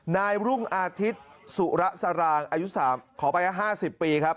นายรุ่งอาทิตย์สุระสารางอายุขอไป๕๐ปีครับ